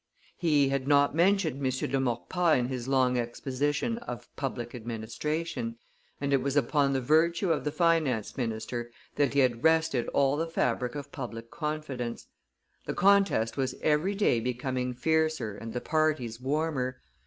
He, had not mentioned M. de Maurepas in his long exposition of public administration, and it was upon the virtue of the finance minister that he had rested all the fabric of public confidence. The contest was every day becoming fiercer and the parties warmer.